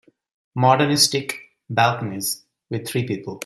Modernistic balconies with three people.